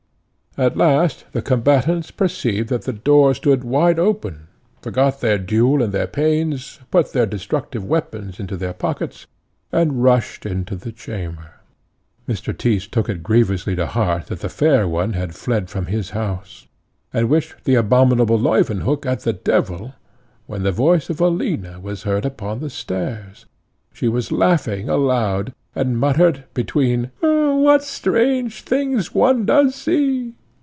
At last the combatants perceived that the door stood wide open, forgot their duel and their pains, put their destructive weapons into their pockets, and rushed into the chamber. Mr. Tyss took it grievously to heart that the fair one had fled from his house, and wished the abominable Leuwenhock at the devil, when the voice of Alina was heard upon the stairs. She was laughing aloud, and muttered between, "What strange things one does see!